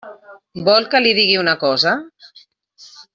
Vol que li digui una cosa?